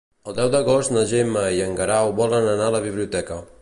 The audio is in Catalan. El deu d'agost na Gemma i en Guerau volen anar a la biblioteca.